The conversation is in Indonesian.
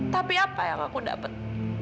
tapi apa yang aku dapat